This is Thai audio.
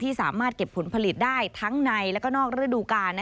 สามารถเก็บผลผลิตได้ทั้งในและก็นอกฤดูกาล